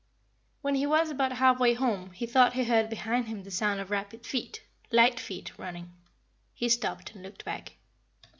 When he was about half way home he thought he heard behind him the sound of rapid feet light feet running. He stopped and looked back.